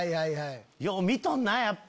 よう見とんなやっぱ。